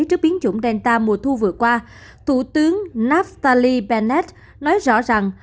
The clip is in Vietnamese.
trước biến chủng delta mùa thu vừa qua thủ tướng naftali pennet nói rõ rằng